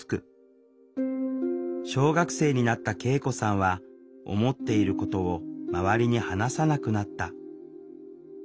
小学生になった圭永子さんは思っていることを周りに話さなくなった。